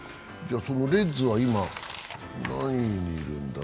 そのレッズは今、何位にいるんだ？